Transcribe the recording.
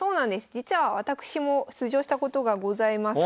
実は私も出場したことがございます。